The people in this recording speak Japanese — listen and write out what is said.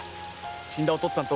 死んだお父っつぁんとおっか